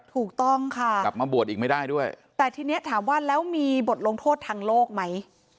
ถูกต้องค่ะกลับมาบวชอีกไม่ได้ด้วยแต่ทีนี้ถามว่าแล้วมีบทลงโทษทางโลกไหม